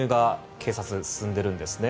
警察で進んでいるんですね。